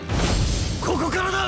ここからだ！